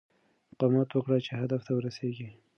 مقاومت وکړه چې هدف ته ورسېږې.